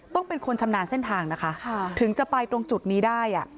ต้องเป็นคนชำนาญเส้นทางนะคะถึงจะไปตรงจุดนี้ได้